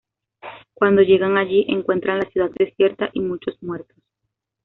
Cuando llegan allí, encuentran la ciudad desierta y muchos muertos.